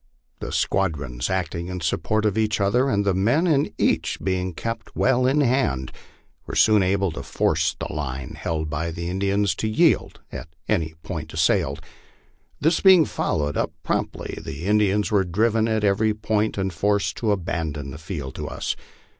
The squadrons acting in support of each other, and the men in each being kept well in hand, were soon able to force the line held by the In dians to yield at any point assailed. This being followed up promptly, the Indians were driven at every point and forced to abandon the field to us.